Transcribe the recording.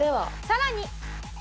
「さらに」